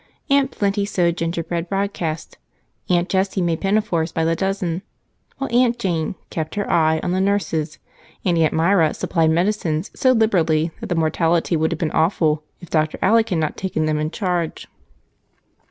Aunt Plenty sowed gingerbread broadcast; Aunt Jessie made pinafores by the dozen while Aunt Jane "kept her eye" on the nurses, and Aunt Myra supplied medicines so liberally that the mortality would have been awful if Dr. Alec had not taken them in charge.